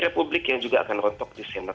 republik yang juga akan rontok di senat